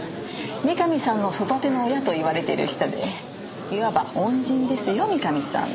三上さんの育ての親と言われている人でいわば恩人ですよ三上さんの。